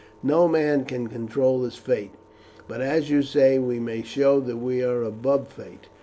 No man can control his fate; but, as you say, we may show that we are above fate.